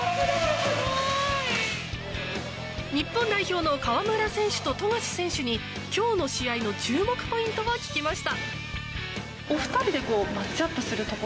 日本代表の河村選手と富樫選手に今日の試合の注目ポイントを聞きました。